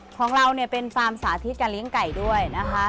ของเราเนี่ยเป็นฟาร์มสาธิตการเลี้ยงไก่ด้วยนะคะ